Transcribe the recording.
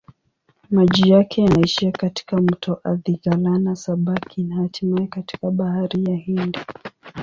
Maji yake yanaishia katika mto Athi-Galana-Sabaki na hatimaye katika Bahari ya Hindi.